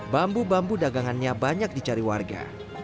bambu bambu dagangannya banyak dicari warga